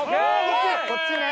こっちで！